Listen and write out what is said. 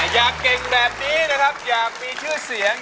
อยากเก่งแบบนี้นะครับอยากมีชื่อเสียง